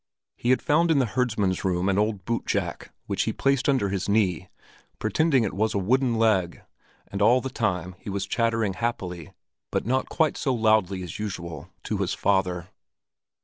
He had found in the herdsman's room an old boot jack, which he placed under his knee, pretending it was a wooden leg, and all the time he was chattering happily, but not quite so loudly as usual, to his father.